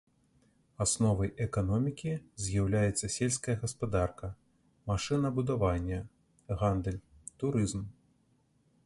Асновай эканомікі з'яўляецца сельская гаспадарка, машынабудаванне, гандаль, турызм.